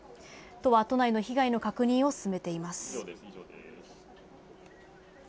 都は都内の被害の確認を進めています。